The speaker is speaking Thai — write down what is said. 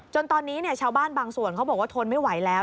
จนตอนนี้ชาวบ้านบางส่วนเขาบอกว่าทนไม่ไหวแล้ว